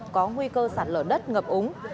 có nguy cơ sản lở đất ngập úng